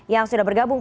yang sudah bergabung